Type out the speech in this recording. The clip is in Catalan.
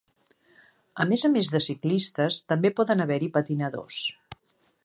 A més a més de ciclistes també poden haver-hi patinadors.